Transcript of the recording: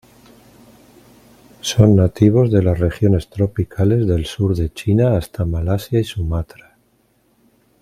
Son nativos de las regiones tropicales del sur de China hasta Malasia y Sumatra.